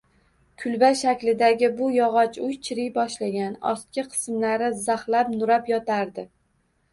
Kulba shaklidagi bu yogʻoch uy chiriy boshlagan, ostki qismlari zaxlab-nurab yotardi